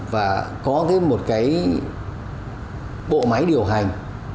và có một cái bộ máy điều hành